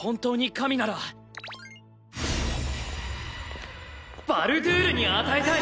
カチッバルドゥールに与えたい！